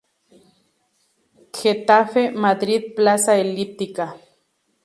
Getafe-Madrid plaza elíptica